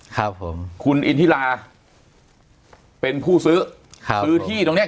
ครับผมคุณอินทิลาเป็นผู้ซื้อครับซื้อที่ตรงเนี้ย